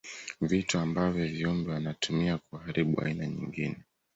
Vitu ambavyo viumbe wanatumia kuharibu aina nyingine.